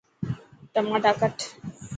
ٽماٽا ڪٽ.